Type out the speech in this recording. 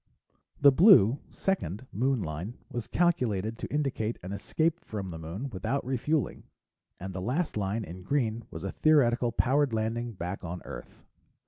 The blue second Moon line was calculated to indicate an escape from, the Moon without refueling, and the last line, in green, was a theoretical powered landing back on Earth.